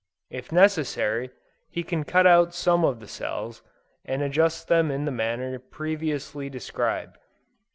If necessary, he can cut out some of the cells, and adjust them in the manner previously described.